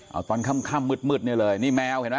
เอาตอนค่ำมืดนี่เลยนี่แมวเห็นไหม